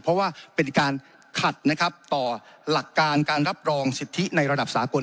เพราะว่าเป็นการขัดนะครับต่อหลักการการรับรองสิทธิในระดับสากล